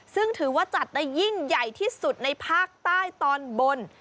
ซึ่งถือว่าจัดได้ยิ่งใหญ่ที่สุดในภาคใต้ตอนบน